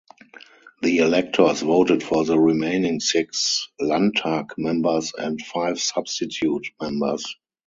The electors voted for the remaining six Landtag members and five substitute members.